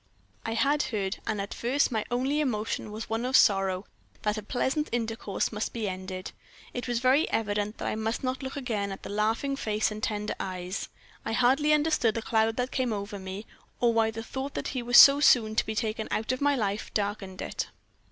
"I had heard, and at first my only emotion was one of sorrow that a pleasant intercourse must be ended. It was very evident that I must not look again at the laughing face and tender eyes. I hardly understood the cloud that came over me, or why the thought that he was so soon to be taken out of my life darkened it.